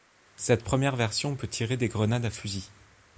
Cette première version peut tirer des grenades à fusil.